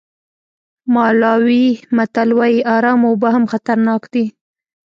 مالاوي متل وایي ارامه اوبه هم خطرناک دي.